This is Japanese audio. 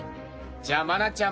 じゃあ愛菜ちゃん